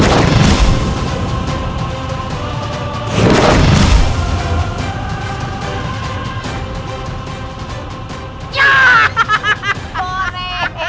hahaha berhasil berhasil berhasil berhasil yes